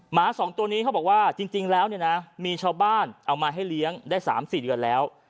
หมา๒ตัวนี้เขาบอกว่าจริงแล้วเนี่ยนะมีชาวบ้านเอามาให้เลี้ยงได้๓๔เดือนแล้ว